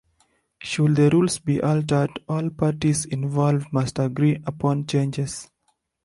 Should the rules be altered, all parties involved must agree upon the changes.